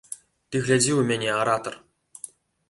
Ты глядзі ў мяне, аратар!